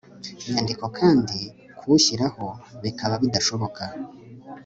nyandiko kandi kuwushyiraho bikaba bidashoboka